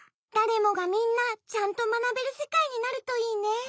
だれもがみんなちゃんとまなべるせかいになるといいね。